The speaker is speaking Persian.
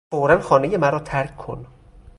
فورا خانهی مرا ترک کن!